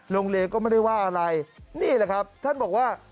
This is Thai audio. โรงเรียนก็ไม่ได้ว่าอะไรนี่แหละครับท่านบอกว่า